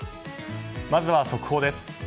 まずは速報です。